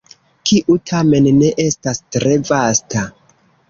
Kiu, tamen, ne estas tre vasta.